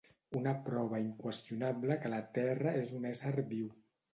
Una prova inqüestionable que la Terra és un ésser viu.